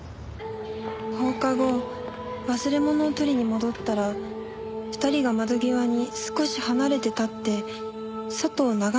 放課後忘れ物を取りに戻ったら２人が窓際に少し離れて立って外を眺めてたんです。